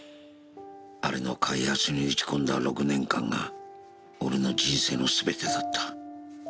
あれの開発に打ち込んだ６年間が俺の人生のすべてだった。